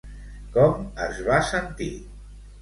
Com es va sentir?